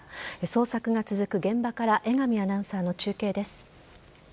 捜索が続く現場から江上アナウンサーの中継です。